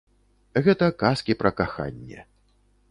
Гэта казкі пра каханне.